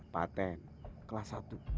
paten kelas satu